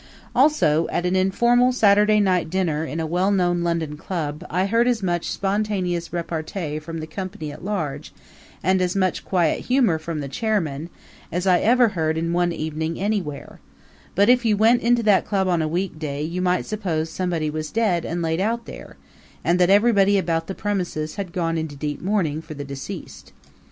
Also, at an informal Saturday night dinner in a well known London club I heard as much spontaneous repartee from the company at large, and as much quiet humor from the chairman, as I ever heard in one evening anywhere; but if you went into that club on a weekday you might suppose somebody was dead and laid out there, and that everybody about the premises had gone into deep mourning for the deceased.